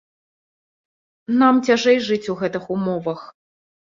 Нам цяжэй жыць у гэтых умовах.